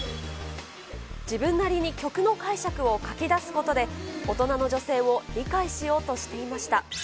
自分なりに曲の解釈を書きだすことで、大人の女性を理解しようとしていました。